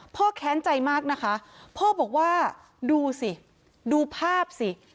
แค้นใจมากนะคะพ่อบอกว่าดูสิดูภาพสิ